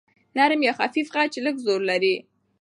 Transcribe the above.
نرم یا خفیف خج لږ زور لري.